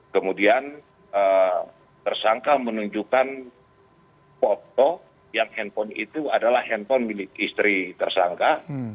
kemudian tersangka menunjukkan foto yang handphone itu adalah handphone milik istri tersangka